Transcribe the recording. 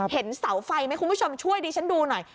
เห็นเสาไฟไหมคุณผู้ชมช่วยดิฉันดูหน่อย